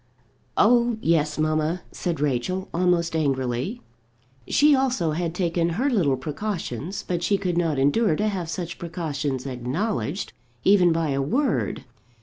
"Oh, yes, mamma," said Rachel, almost angrily. She also had taken her little precautions, but she could not endure to have such precautions acknowledged, even by a word.